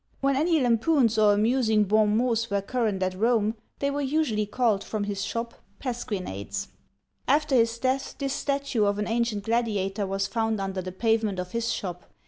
When any lampoons or amusing bon mots were current at Rome, they were usually called, from his shop, pasquinades. After his death, this statue of an ancient gladiator was found under the pavement of his shop.